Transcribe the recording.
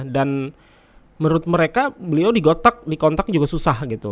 dan menurut mereka beliau di gotak di kontak juga susah gitu